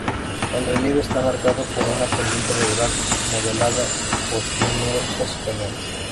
El relieve está marcado por una pendiente regular, modelada por numerosas cañadas.